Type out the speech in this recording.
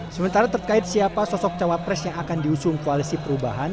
sementara terkait siapa sosok cawapres yang akan diusung koalisi perubahan